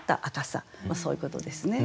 まあそういうことですね。